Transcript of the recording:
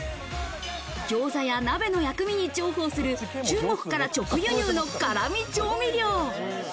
餃子や鍋の薬味に重宝する中国からの直輸入の辛味調味料。